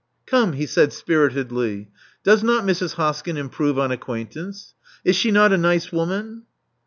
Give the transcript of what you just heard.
*'Come!*' he said spiritedly: ''doesnotMrs. Hoskyn improve on acquaintance? Is she not a nice woman?"